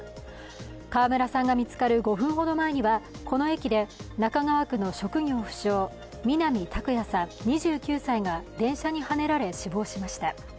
川村さんが見つかる５分ほど前にはこの駅で中川区の職業不詳、南拓哉さん２９歳が電車にはねられ死亡しました。